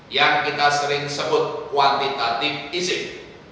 yang kita sering sebut quantitative easing